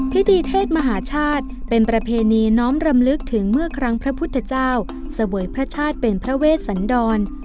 เทศมหาชาติเป็นประเพณีน้อมรำลึกถึงเมื่อครั้งพระพุทธเจ้าเสวยพระชาติเป็นพระเวชสันดร